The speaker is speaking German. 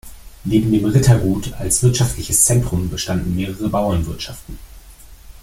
Neben dem Rittergut als wirtschaftliches Zentrum bestanden mehrere Bauernwirtschaften.